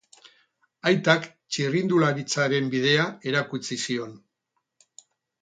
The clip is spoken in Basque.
Aitak txirrindularitzaren bidea erakutsi zion.